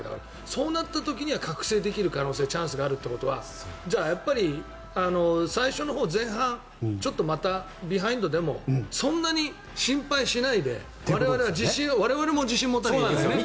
そうなった時には覚醒できる可能性チャンスがあるということはじゃあ最初のほう前半、ちょっとまたビハインドでもそんなに心配しないで、我々も自信を持たなきゃいけないね。